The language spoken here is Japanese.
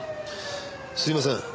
すみません。